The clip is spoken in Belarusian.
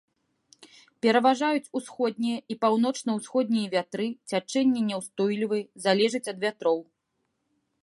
Пераважаюць усходнія і паўночна-ўсходнія вятры, цячэнні няўстойлівыя, залежаць ад вятроў.